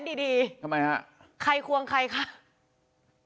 ดีดีทำไมฮะใครควงใครคะ